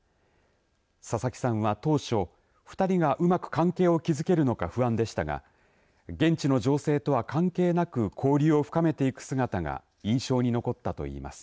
佐々木さんは、当初２人がうまく関係を築けるのか不安でしたが現地の情勢とは関係なく交流を深めていく姿が印象に残ったと言います。